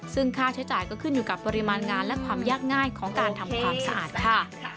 ซึ่งค่าใช้จ่ายก็ขึ้นอยู่กับปริมาณงานและความยากง่ายของการทำความสะอาดค่ะ